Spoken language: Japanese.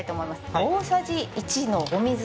大さじ１のお水を。